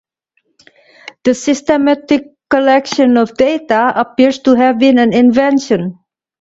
The 'systematic collection of data' appears to have been an invention.